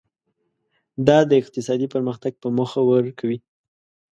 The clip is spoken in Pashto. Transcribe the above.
دا د اقتصادي پرمختګ په موخه ورکوي.